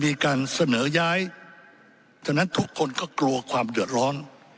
มีการเสนอย้ายฉะนั้นทุกคนก็กลัวความเดือดร้อน